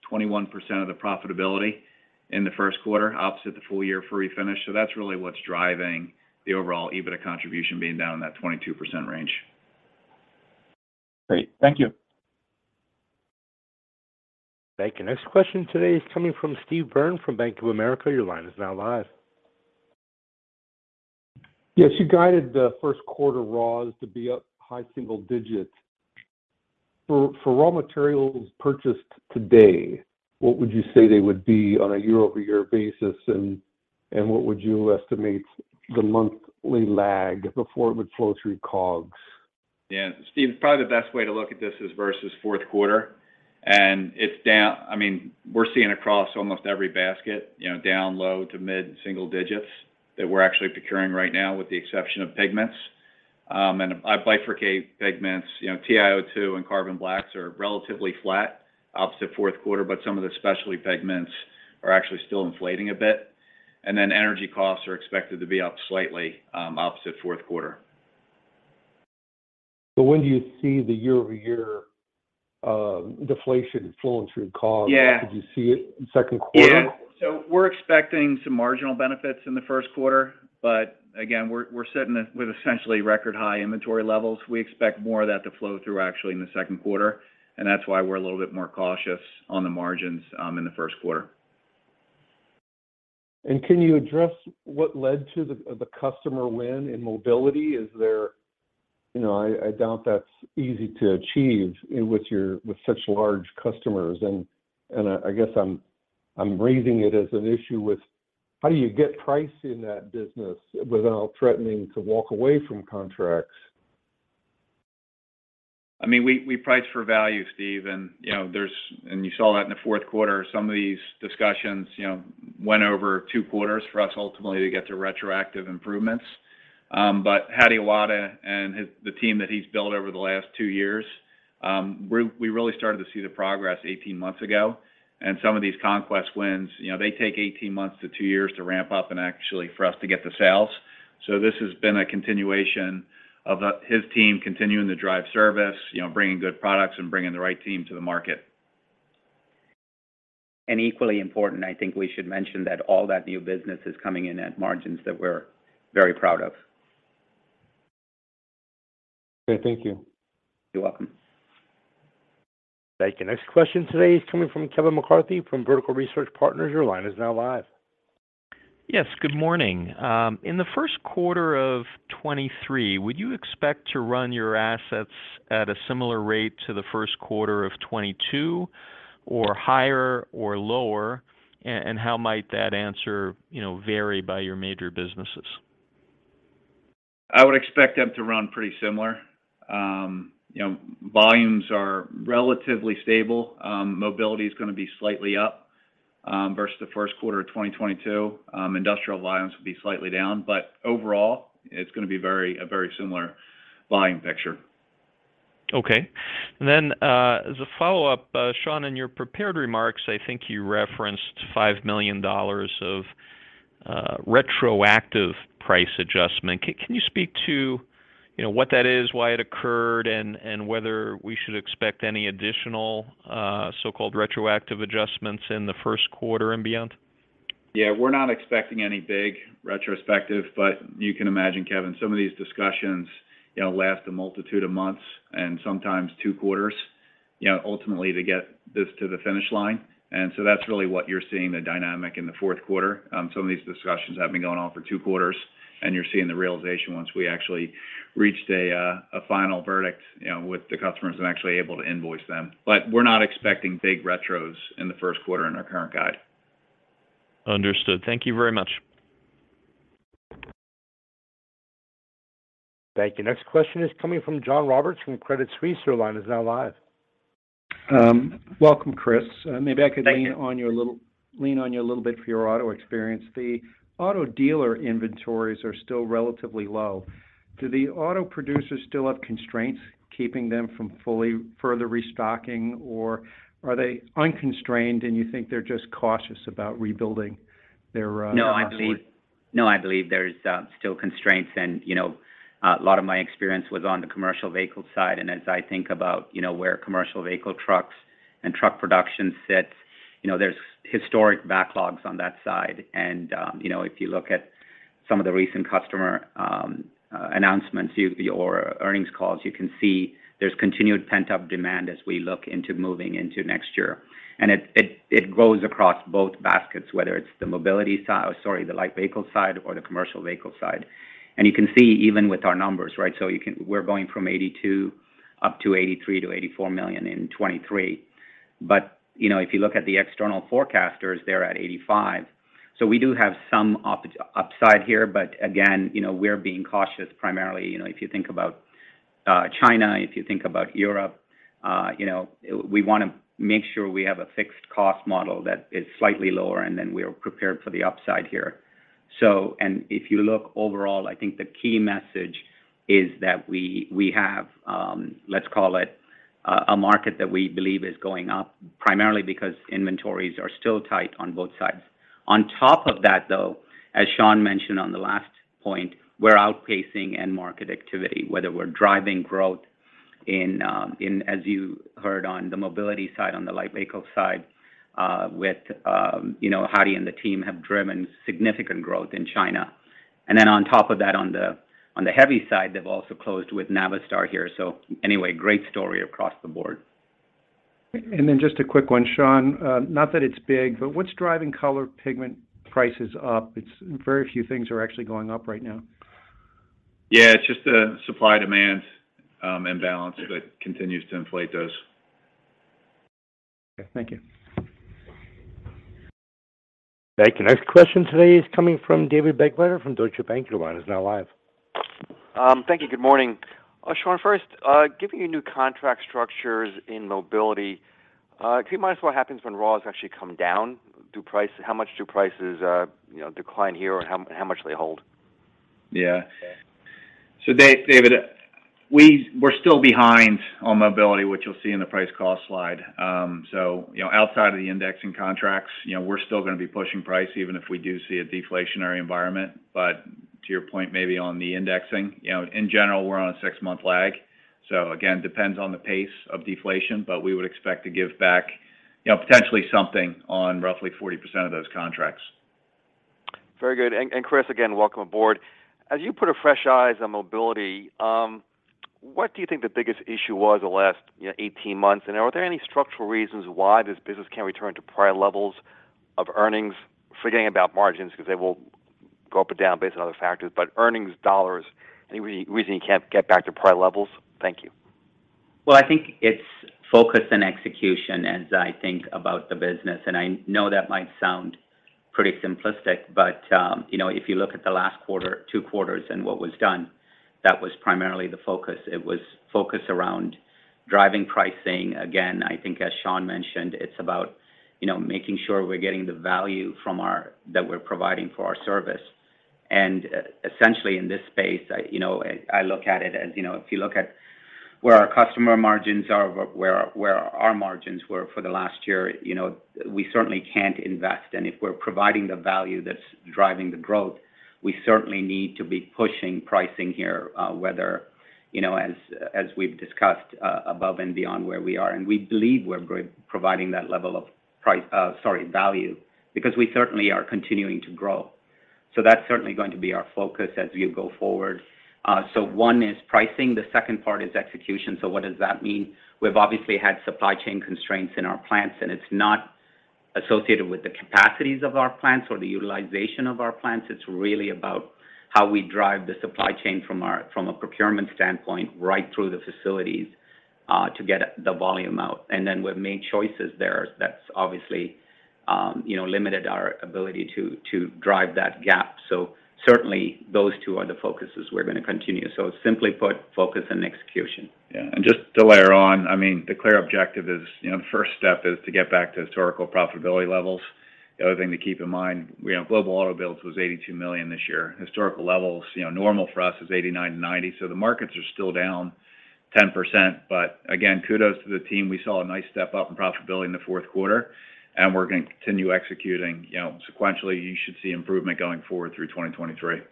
Q&A, you know, refinish, you know, historically range roughly 20%-21% of the profitability in the first quarter, opposite the full year for refinish. That's really what's driving the overall EBITDA contribution being down in that 22% range. Great. Thank you. Thank you. Next question today is coming from Steve Byrne from Bank of America. Your line is now live. Yes, you guided the first quarter raws to be up high single digits. For raw materials purchased today, what would you say they would be on a year-over-year basis, and what would you estimate the monthly lag before it would flow through COGS? Yeah. Steve, probably the best way to look at this is versus fourth quarter. I mean, we're seeing across almost every basket, you know, down low to mid-single digits that we're actually procuring right now, with the exception of pigments. I bifurcate pigments. You know, TiO2 and carbon blacks are relatively flat opposite fourth quarter, but some of the specialty pigments are actually still inflating a bit. Energy costs are expected to be up slightly opposite fourth quarter. When do you see the year-over-year deflation flowing through COGS? Yeah. Could you see it in second quarter? We're expecting some marginal benefits in the first quarter. Again, we're sitting with essentially record high inventory levels. We expect more of that to flow through actually in the second quarter. That's why we're a little bit more cautious on the margins in the first quarter. Can you address what led to the customer win in mobility? You know, I doubt that's easy to achieve with such large customers. I guess I'm raising it as an issue with how do you get price in that business without threatening to walk away from contracts? I mean, we price for value, Steve. You saw that in the fourth quarter. Some of these discussions, you know, went over two quarters for us ultimately to get to retroactive improvements. Hadi Awada and the team that he's built over the last two years, we really started to see the progress 18 months ago. Some of these conquest wins, you know, they take 18 months to two years to ramp up and actually for us to get the sales. This has been a continuation of his team continuing to drive service, you know, bringing good products and bringing the right team to the market. Equally important, I think we should mention that all that new business is coming in at margins that we're very proud of. Okay. Thank you. You're welcome. Thank you. Next question today is coming from Kevin McCarthy from Vertical Research Partners. Your line is now live. Yes. Good morning. In the first quarter of 2023, would you expect to run your assets at a similar rate to the first quarter of 2022 or higher or lower? How might that answer, you know, vary by your major businesses? I would expect them to run pretty similar. You know, volumes are relatively stable. Mobility is gonna be slightly up versus the first quarter of 2022. Industrial volumes will be slightly down. Overall, it's gonna be a very similar volume picture. Okay. As a follow-up, Sean, in your prepared remarks, I think you referenced $5 million of retroactive price adjustment. Can you speak to, you know, what that is, why it occurred, and whether we should expect any additional so-called retroactive adjustments in the first quarter and beyond? Yeah. We're not expecting any big retrospective. You can imagine, Kevin, some of these discussions, you know, last a multitude of months and sometimes two quarters, you know, ultimately to get this to the finish line. That's really what you're seeing the dynamic in the fourth quarter. Some of these discussions have been going on for two quarters, and you're seeing the realization once we actually reached a final verdict, you know, with the customers and actually able to invoice them. We're not expecting big retros in the 1st quarter in our current guide. Understood. Thank you very much. Thank you. Next question is coming from John Roberts from Credit Suisse. Your line is now live. Welcome, Chris. Thank you. Maybe I could lean on you a little bit for your auto experience. The auto dealer inventories are still relatively low. Do the auto producers still have constraints keeping them from fully further restocking, or are they unconstrained and you think they're just cautious about rebuilding their inventory? No, I believe there's still constraints and, you know, a lot of my experience was on the commercial vehicle side. As I think about, you know, where commercial vehicle trucks and truck production sits, you know, there's historic backlogs on that side. You know, if you look at some of the recent customer announcements or earnings calls, you can see there's continued pent-up demand as we look into moving into next year. It grows across both baskets, whether it's the light vehicle side or the commercial vehicle side. You can see even with our numbers, right? We're going from $82 million up to $83 million to $84 million in 2023. You know, if you look at the external forecasters, they're at $85 million. We do have some upside here, but again, you know, we're being cautious primarily. You know, if you think about China, if you think about Europe, you know, we wanna make sure we have a fixed cost model that is slightly lower, and then we're prepared for the upside here. If you look overall, I think the key message is that we have, let's call it a market that we believe is going up primarily because inventories are still tight on both sides. On top of that, though, as Sean mentioned on the last point, we're outpacing end market activity, whether we're driving growth in, as you heard on the mobility side, on the light vehicle side, with, you know, Hadi and the team have driven significant growth in China. On top of that, on the heavy side, they've also closed with Navistar here. Anyway, great story across the board. Just a quick one, Sean, not that it's big, but what's driving color pigment prices up? Very few things are actually going up right now. Yeah. It's just a supply and demand imbalance that continues to inflate those. Okay. Thank you. Thank you. Next question today is coming from David Begleiter from Deutsche Bank. Your line is now live. Thank you. Good morning. Sean, first, given your new contract structures in Mobility, can you minus what happens when raws actually come down, how much do prices, you know, decline here, or how much do they hold? David, we're still behind on mobility, which you'll see in the price cost slide. Outside of the indexing contracts, you know, we're still gonna be pushing price even if we do see a deflationary environment. To your point, maybe on the indexing, you know, in general, we're on a six-month lag. Again, depends on the pace of deflation, but we would expect to give back, you know, potentially something on roughly 40% of those contracts. Very good. Chris, again, welcome aboard. As you put a fresh eyes on Mobility, what do you think the biggest issue was the last, you know, 18 months? Are there any structural reasons why this business can't return to prior levels of earnings? Forgetting about margins because they will go up and down based on other factors, but earnings dollars, any re-reason you can't get back to prior levels? Thank you. Well, I think it's focus and execution as I think about the business, and I know that might sound pretty simplistic, but, you know, if you look at the last quarter, two quarters and what was done, that was primarily the focus. It was focus around driving pricing. Again, I think as Sean mentioned, it's about, you know, making sure we're getting the value from our that we're providing for our service. Essentially in this space, I, you know, I look at it as, you know, if you look at where our customer margins are, where our margins were for the last year, you know, we certainly can't invest. If we're providing the value that's driving the growth, we certainly need to be pushing pricing here, whether, you know, as we've discussed, above and beyond where we are. We believe we're providing that level of price, sorry, value, because we certainly are continuing to grow. That's certainly going to be our focus as we go forward. One is pricing. The second part is execution. What does that mean? We've obviously had supply chain constraints in our plants, and it's not associated with the capacities of our plants or the utilization of our plants. It's really about how we drive the supply chain from our, from a procurement standpoint right through the facilities, to get the volume out. Then we've made choices there that's obviously, you know, limited our ability to drive that gap. Certainly those two are the focuses we're going to continue. Simply put, focus and execution. Yeah. Just to layer on, I mean, the clear objective is, you know, first step is to get back to historical profitability levels. The other thing to keep in mind, you know, global auto builds was $82 million this year. Historical levels, you know, normal for us is 89 million, 90 million. The markets are still down 10%. Again, kudos to the team. We saw a nice step up in profitability in the fourth quarter, and we're gonna continue executing. You know, sequentially, you should see improvement going forward through 2023.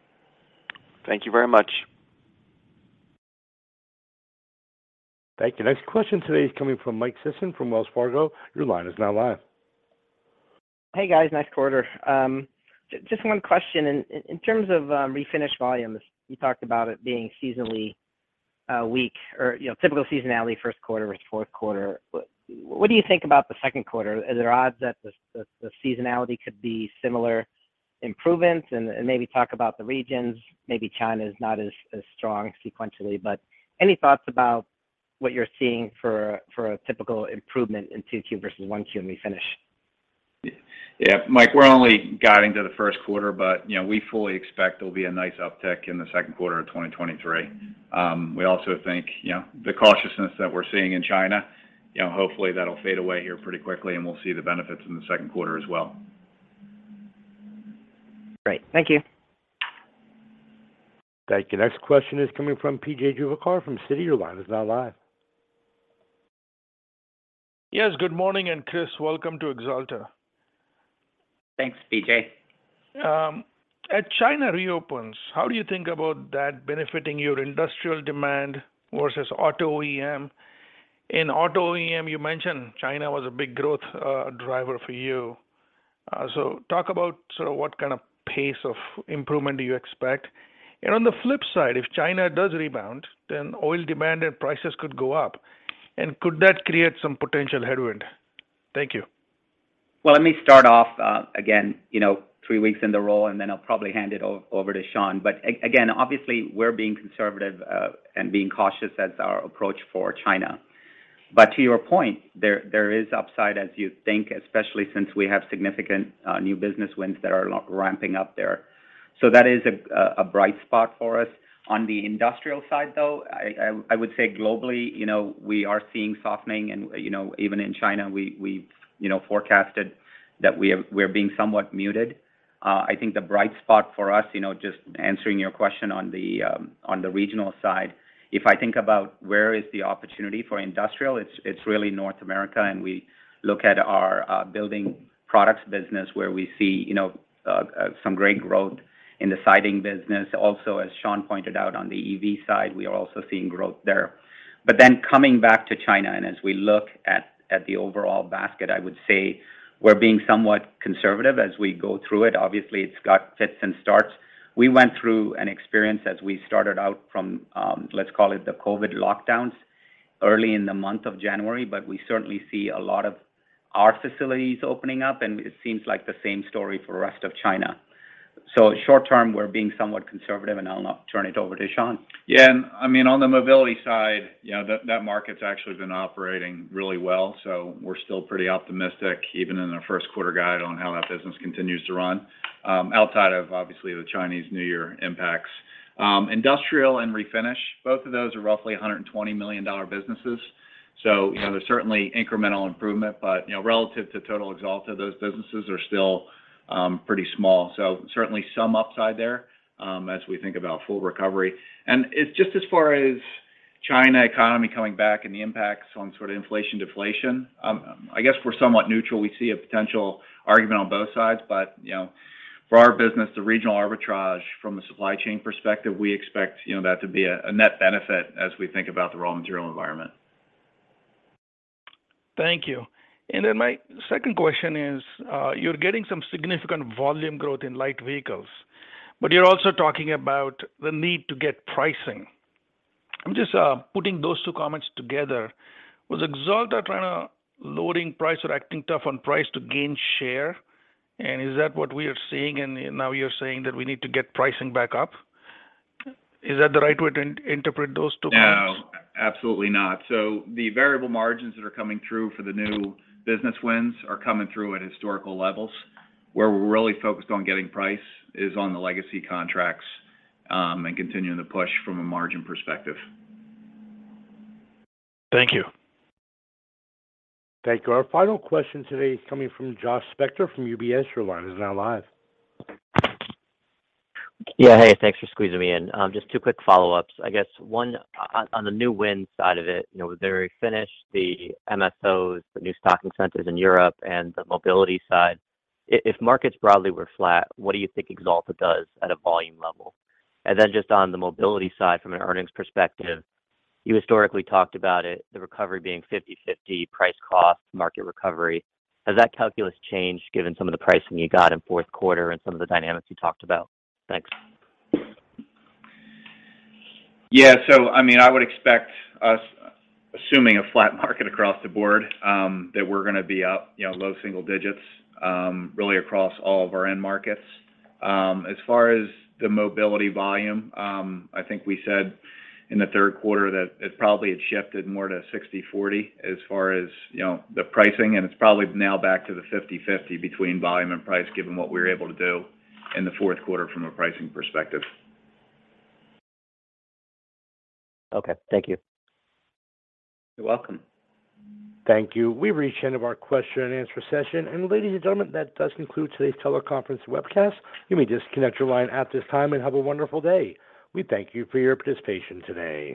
Thank you very much. Thank you. Next question today is coming from Michael Sison from Wells Fargo. Your line is now live. Hey, guys. Nice quarter. Just one question. In terms of refinish volumes, you talked about it being seasonally weak or, you know, typical seasonality first quarter versus fourth quarter. What do you think about the second quarter? Are there odds that the seasonality could be similar improvement? Maybe talk about the regions. Maybe China is not as strong sequentially, but any thoughts about what you're seeing for a typical improvement in 2Q versus 1Q in refinish? Yeah. Mike, we're only guiding to the first quarter. You know, we fully expect there'll be a nice uptick in the second quarter of 2023. We also think, you know, the cautiousness that we're seeing in China, you know, hopefully that'll fade away here pretty quickly. We'll see the benefits in the second quarter as well. Great. Thank you. Thank you. Next question is coming from P.J. Juvekar from Citi. Your line is now live. Yes, good morning. Chris, welcome to Axalta. Thanks, P.J. As China reopens, how do you think about that benefiting your industrial demand versus auto OEM? In auto OEM, you mentioned China was a big growth driver for you. Talk about sort of what kind of pace of improvement do you expect. On the flip side, if China does rebound, then oil demand and prices could go up. Could that create some potential headwind? Thank you. Well, let me start off, again, you know, three weeks in the role, and then I'll probably hand it over to Sean. Again, obviously we're being conservative and being cautious as our approach for China. To your point, there is upside as you think, especially since we have significant new business wins that are ramping up there. That is a bright spot for us. On the Industrial side, though, I would say globally, you know, we are seeing softening and, you know, even in China, we've, you know, forecasted that we're being somewhat muted. I think the bright spot for us, you know, just answering your question on the regional side, if I think about where is the opportunity for Industrial, it's really North America. We look at our building products business where we see, you know, some great growth in the siding business. As Sean pointed out on the EV side, we are also seeing growth there. Coming back to China, as we look at the overall basket, I would say we're being somewhat conservative as we go through it. Obviously, it's got fits and starts. We went through an experience as we started out from, let's call it the COVID lockdowns early in the month of January. We certainly see a lot of our facilities opening up, and it seems like the same story for the rest of China. Short term, we're being somewhat conservative. I'll now turn it over to Sean. Yeah. I mean, on the Mobility side, you know, that market's actually been operating really well, we're still pretty optimistic, even in our first quarter guide on how that business continues to run, outside of obviously the Chinese New Year impacts. Industrial and Refinish, both of those are roughly $120 million businesses. You know, there's certainly incremental improvement, but, you know, relative to total Axalta, those businesses are still pretty small. Certainly some upside there, as we think about full recovery. It's just as far as China economy coming back and the impacts on sort of inflation, deflation, I guess we're somewhat neutral. We see a potential argument on both sides. You know, for our business, the regional arbitrage from a supply chain perspective, we expect, you know, that to be a net benefit as we think about the raw material environment. Thank you. My second question is, you're getting some significant volume growth in light vehicles, but you're also talking about the need to get pricing. I'm just putting those two comments together. Was Axalta trying to loading price or acting tough on price to gain share? Is that what we are seeing? Now you're saying that we need to get pricing back up. Is that the right way to interpret those two points? No, absolutely not. The variable margins that are coming through for the new business wins are coming through at historical levels. Where we're really focused on getting price is on the legacy contracts, and continuing to push from a margin perspective. Thank you. Thank you. Our final question today is coming from Joshua Spector from UBS. Your line is now live. Yeah. Hey, thanks for squeezing me in. Just two quick follow-ups. I guess one on the new win side of it, you know, the Refinish, the MSOs, the new stocking centers in Europe and the Mobility side, if markets broadly were flat, what do you think Axalta does at a volume level? Just on the Mobility side from an earnings perspective, you historically talked about it, the recovery being 50/50 price-cost market recovery. Has that calculus changed given some of the pricing you got in fourth quarter and some of the dynamics you talked about? Thanks. Yeah. I mean, I would expect us, assuming a flat market across the board, that we're gonna be up, you know, low single digits, really across all of our end markets. As far as the mobility volume, I think we said in the third quarter that it probably had shifted more to 60/40 as far as, you know, the pricing, and it's probably now back to the 50/50 between volume and price, given what we were able to do in the fourth quarter from a pricing perspective. Okay. Thank you. You're welcome. Thank you. We've reached the end of our question and answer session. Ladies and gentlemen, that does conclude today's teleconference webcast. You may disconnect your line at this time, and have a wonderful day. We thank you for your participation today.